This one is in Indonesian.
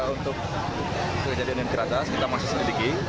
untuk kejadian yang teratas kita masih sedikit